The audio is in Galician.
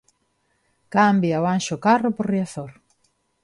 Cambia o Anxo Carro por Riazor.